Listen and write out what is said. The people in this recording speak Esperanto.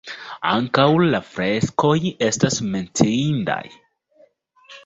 Ankaŭ la freskoj estas menciindaj.